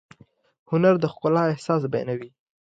هنر د ښکلا احساس بیانوي.